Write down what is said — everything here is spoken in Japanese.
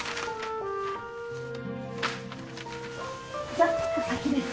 じゃお先です。